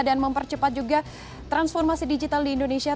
dan mempercepat juga transformasi digital di indonesia